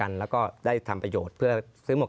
สนุนโดยอีซุสุข